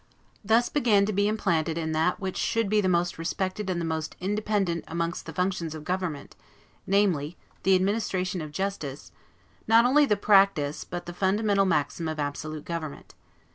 Thus began to be implanted in that which should be the most respected and the most independent amongst the functions of government, namely, the administration of justice, not only the practice, but the fundamental maxim, of absolute government.